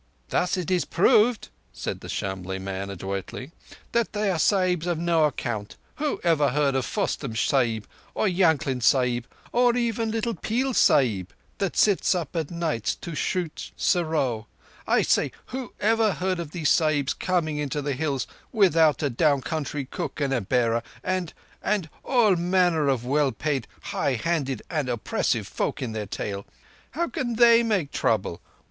"Thus it is proved," said the Shamlegh man adroitly, "that they are Sahibs of no account. Who ever heard of Fostum Sahib, or Yankling Sahib, or even the little Peel Sahib that sits up of nights to shoot serow—I say, who, ever heard of these Sahibs coming into the hills without a down country cook, and a bearer, and—and all manner of well paid, high handed and oppressive folk in their tail? How can they make trouble?